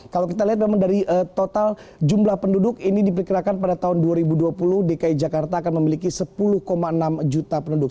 kalau kita lihat memang dari total jumlah penduduk ini diperkirakan pada tahun dua ribu dua puluh dki jakarta akan memiliki sepuluh enam juta penduduk